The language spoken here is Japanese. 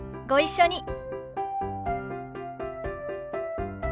ご一緒に。